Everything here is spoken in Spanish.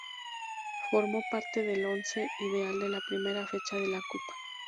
Formó parte del Once ideal de la primera fecha de la copa.